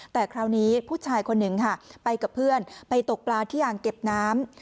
แต่คราวนี้ผู้ชายคนหนึ่งค่ะไปกับเพื่อนไปตกปลาที่อ่างเก็บน้ำ